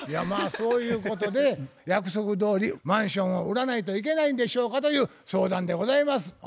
まあそういうことで約束どおりマンションを売らないといけないんでしょうかという相談でございます。